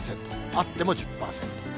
あっても１０％。